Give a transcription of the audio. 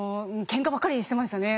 ケンカばっかりしてましたね。